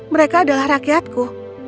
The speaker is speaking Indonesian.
mereka adalah rakyatku